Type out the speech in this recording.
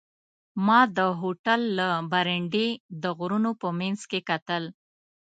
ما د هوټل له برنډې د غرونو په منځ کې کتل.